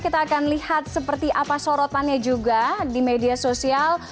kita akan lihat seperti apa sorotannya juga di media sosial